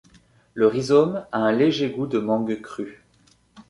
Le rhizome a un léger goût de mangue crue.